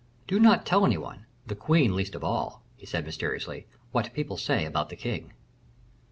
"Do not tell any one, the queen least of all," he said mysteriously, "what people say about the king."